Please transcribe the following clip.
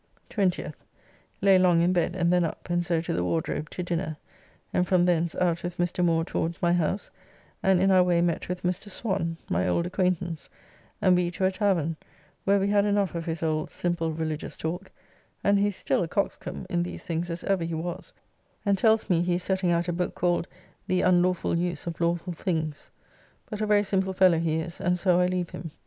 20th. Lay long in bed, and then up, and so to the Wardrobe to dinner, and from thence out with Mr. Moore towards my house, and in our way met with Mr. Swan (my old acquaintance), and we to a tavern, where we had enough of his old simple religious talk, and he is still a coxcomb in these things as he ever was, and tells me he is setting out a book called "The unlawfull use of lawfull things;" but a very simple fellow he is, and so I leave him.